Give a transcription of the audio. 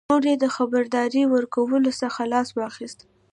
نور یې د خبرداري ورکولو څخه لاس واخیست.